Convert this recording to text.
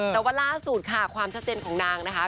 แต่ว่าล่าสุดค่ะความชัดเจนของนางนะคะ